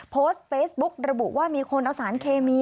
โพสต์เฟซบุ๊กระบุว่ามีคนเอาสารเคมี